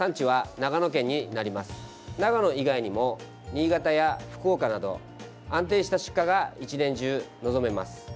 長野県以外にも、新潟や福岡など安定した出荷が１年中望めます。